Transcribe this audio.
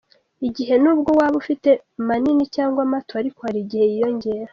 Igihe: nubwo waba ufite manini cyangwa mato, ariko hari igihe yiyongera.